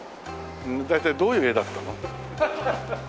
大体どういう絵だったの？